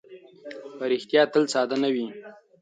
ریښتیا تل ساده نه وي.